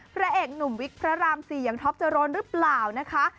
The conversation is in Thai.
พระเอกหนุ่มวิกพระราม๔อย่างท็อปจรนหรือเปล่านะคะ